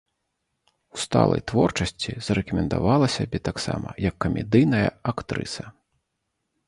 У сталай творчасці зарэкамендавала сябе таксама як камедыйная актрыса.